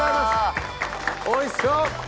おいしそう！